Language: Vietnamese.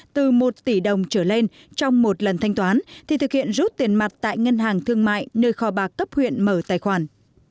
từ một tỷ đồng trở lên trong một lần thanh toán thì thực hiện rút tiền mặt tại ngân hàng thương mại nơi kho bạc cấp huyện mở tài khoản